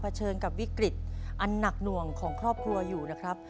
เชิญกับวิกฤตอันหนักหน่วงของครอบครัวอยู่นะครับ